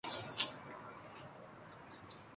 کسی کو نہیں معلوم۔